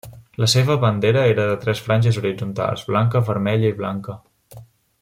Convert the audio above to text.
La seva bandera era de tres franges horitzontals, blanca, vermella i blanca.